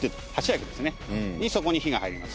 そこに火が入ります。